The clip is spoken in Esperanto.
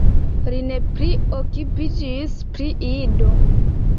Li ne plu okupiĝis pri Ido.